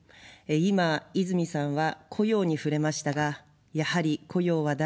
今、泉さんは雇用に触れましたが、やはり雇用は大事ですね。